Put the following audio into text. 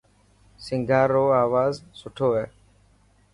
سنگار رو آواز سٺو هي.